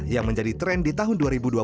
yang menjadi tren di tahun dua ribu dua puluh